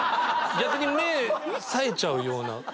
逆に目さえちゃうような。